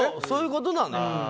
そういうことなのよ。